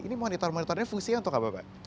ini monitor monitornya fungsinya untuk apa pak